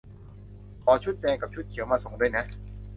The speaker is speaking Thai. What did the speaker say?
ขอชุดแดงกับชุดเขียวมาส่งด้วยนะ